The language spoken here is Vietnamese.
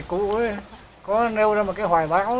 cũ có nêu ra một cái hoài bão